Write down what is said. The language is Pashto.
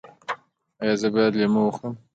ایا زه باید لیمو وخورم؟